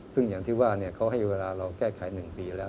ซึ่งอย่างที่ว่าเขาให้เวลาเราแก้ไข๑ปีแล้ว